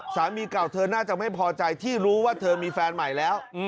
สามีเก่าเธอน่าจะไม่พอใจที่รู้ว่าเธอมีแฟนใหม่แล้ว